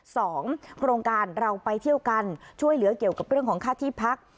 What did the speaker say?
สองโครงการเราไปเที่ยวกันช่วยเหลือเกี่ยวกับเรื่องของค่าที่พัก